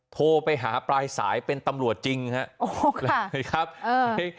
โทรไปหาตายถ้าเป็นตำลวดจริงฮะโอ้โหค่ะเฮ้ยครับเออ